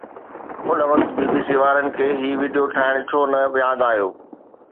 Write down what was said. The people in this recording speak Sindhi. ان وقت بي بي سي وارن کي هي وڊيو ٺاهڻ ڇو نه ياد آيو؟